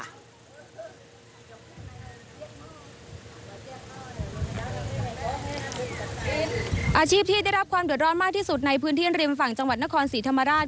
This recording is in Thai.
อาชีพที่ได้รับความเดือดร้อนมากที่สุดในพื้นที่ริมฝั่งจังหวัดนครศรีธรรมราช